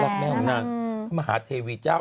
รักแม่ของนางมหาเทวีเจ้า